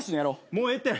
もうええって。